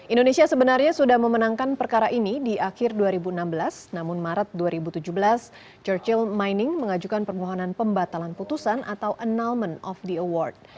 indonesia sebenarnya sudah memenangkan perkara ini di akhir dua ribu enam belas namun maret dua ribu tujuh belas churchill mining mengajukan permohonan pembatalan putusan atau announcement of the award